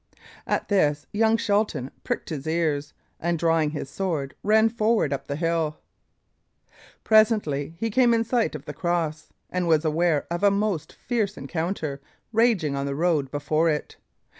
At this young Shelton pricked his ears, and drawing his sword, ran forward up the hill. Presently he came in sight of the cross, and was aware of a most fierce encounter raging on the road before it.